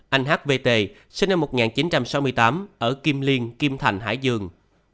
bốn anh h v t sinh năm một nghìn chín trăm sáu mươi tám ở kim liên kim thành hải dương